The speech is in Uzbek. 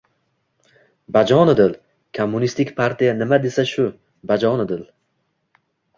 — Bajonidil, kommunistik partiya nima desa shu, bajonidil.